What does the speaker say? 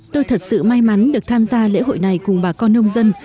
tôi thật sự may mắn được tham gia lễ hội này cùng bà con nông dân